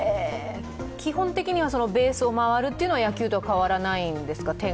基本的にはベースを回るというのは野球と変わらないんですか？